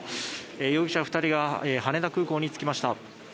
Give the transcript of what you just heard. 容疑者２人が羽田空港に着きました。